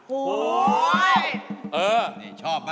โฮ้ยเนี่ยชอบมาก